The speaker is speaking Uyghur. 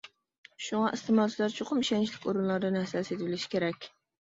شۇڭا، ئىستېمالچىلار چوقۇم ئىشەنچلىك ئورۇنلاردىن ھەسەل سېتىۋېلىشى كېرەك.